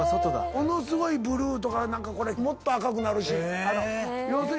ものすごいブルーとかもっと赤くなるし。